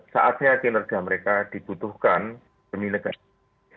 saatnya kinerja mereka dibutuhkan demi negara